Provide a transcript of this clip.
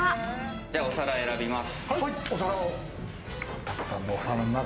じゃあ、お皿選びます。